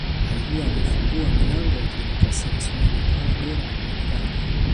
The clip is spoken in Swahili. Alikuwa amefungua milango ya demokrasia Visiwani utawala bora na uwajibikaji